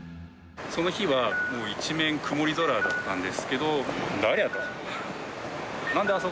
その日は一面曇り空だったんですけど、なんだ？